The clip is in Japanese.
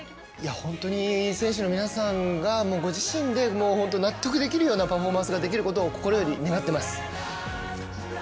本当に選手の皆さんがご自身で納得できるパフォーマンスができることを心より願っています。